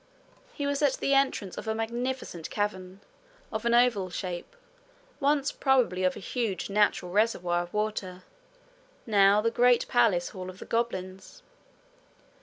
He was at the entrance of a magnificent cavern, of an oval shape, once probably a huge natural reservoir of water, now the great palace hall of the goblins.